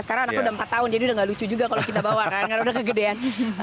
karena anakku udah empat tahun jadi udah gak lucu juga kalau kita bawa kan karena udah kegedean